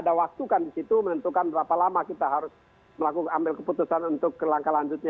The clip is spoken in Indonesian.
ada waktu kan disitu menentukan berapa lama kita harus ambil keputusan untuk ke langkah lanjutnya